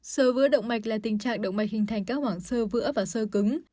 sơ vữa động mạch là tình trạng động mạch hình thành các hoảng sơ vữa và sơ cứng